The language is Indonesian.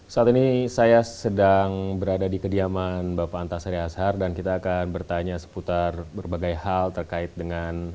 saat ini saya sedang berada di kediaman bapak antasari ashar dan kita akan bertanya seputar berbagai hal terkait dengan